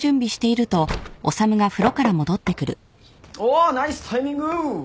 おナイスタイミング！